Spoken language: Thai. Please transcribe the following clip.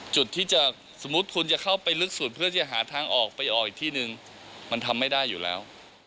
จุดที่จะสมมุติคุณจะเข้าไปลึกสุดเพื่อจะหาทางออกไปออกอีกที่นึงมันทำไม่ได้อยู่แล้ว